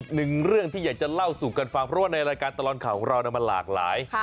หนึ่งเรื่องที่อยากจะเล่าสู่กันฟังเพราะว่าในรายการตลอดข่าวของเรามันหลากหลาย